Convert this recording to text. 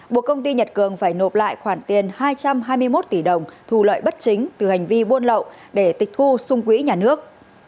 buộc công ty nhật cường phải nộp lại khoản tiền hai trăm hai mươi một tỷ đồng thu lợi bất chính từ hành vi buôn lậu để tịch thu xung quỹ nhà nước